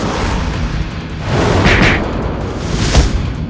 akan menyalahkan banyak kesalahan